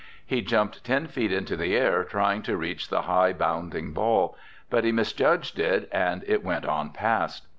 He jumped ten feet into the air trying to reach the high, bounding ball, but he misjudged it and it went on past.